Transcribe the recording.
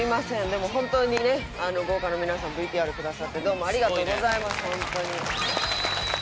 でも本当にね豪華な皆さんＶＴＲくださってどうもありがとうございます本当に。